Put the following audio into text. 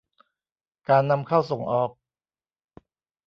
การนำเข้าส่งออก